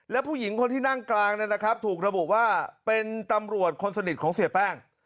และผู้หญิงคนที่นั่งกลางนั่นแหละครับถูกระบุว่าเป็นตำรวจคนสนิทของเสียแป้ง